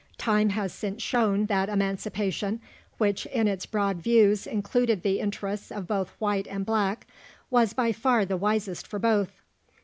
Time has since shown that Emancipation, which in its broad views included the interests of both white and black, was by far the wisest for both.